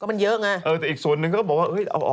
พระพุทธรูปสูงเก้าชั้นหมายความว่าสูงเก้าตึกเก้าชั้น